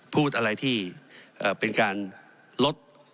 พูดอะไรที่เป็นการลด